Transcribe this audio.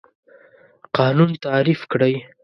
قانون تعریف کړئ.